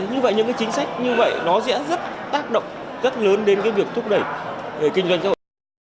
như vậy những cái chính sách như vậy nó sẽ rất tác động rất lớn đến cái việc thúc đẩy kinh doanh xã hội